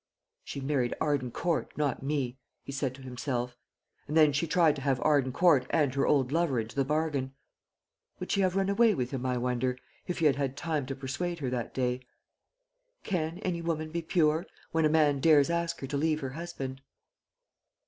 "She married Arden Court, not me," he said to himself; "and then she tried to have Arden Court and her old lover into the bargain. Would she have run away with him, I wonder, if he had had time to persuade her that day? Can any woman be pure, when a man dares ask her to leave her husband?"